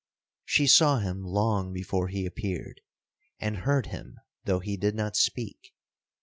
She saw him long before he appeared,—and heard him though he did not speak.